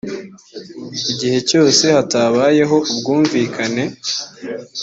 igihe cyose hatabayeho ubwumvikane